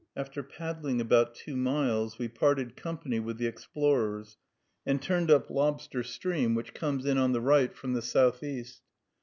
After paddling about two miles, we parted company with the explorers, and turned up Lobster Stream, which comes in on the right, from the southeast.